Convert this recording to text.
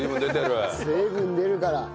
水分出るから。